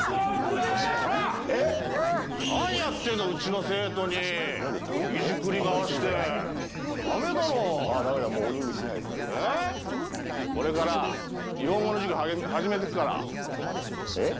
えっ何やってんだうちの生徒にいじくりまわしてダメだろうああダメだもう鬼に支配されてるこれから日本語の授業えっ？